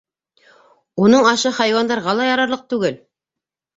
— Уның ашы хайуандарға ла ярарлыҡ түгел.